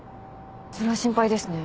それは心配ですね。